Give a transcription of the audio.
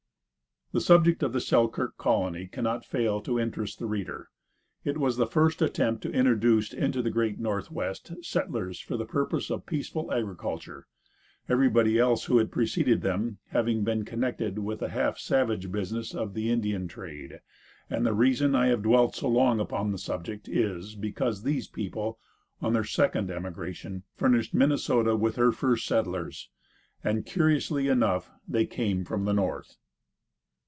The subject of the Selkirk colony cannot fail to interest the reader, as it was the first attempt to introduce into the great Northwest settlers for the purposes of peaceful agriculture, everybody else who had preceded them having been connected with the half savage business of the Indian trade; and the reason I have dwelt so long upon the subject is, because these people, on their second emigration, furnished Minnesota with her first settlers, and curiously enough, they came from the north.